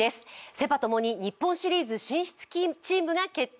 セ・パともに日本シリーズ進出チームが決定。